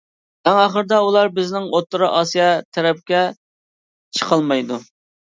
ئەڭ ئاخىرىدا ئۇلار بىزنىڭ ئوتتۇرا ئاسىيا تەرەپكە چىقالمايدۇ.